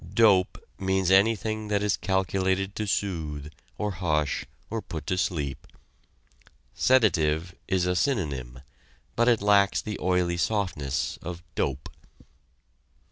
"Dope" means anything that is calculated to soothe, or hush, or put to sleep. "Sedative" is a synonym, but it lacks the oily softness of "dope."